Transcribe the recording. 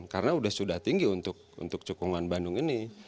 karena sudah tinggi untuk cengkukan bandung ini